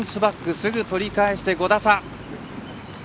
すぐとりかえして５打差。